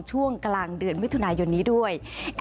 ช่วงกลางเดือนมิถุนายนนี้ด้วย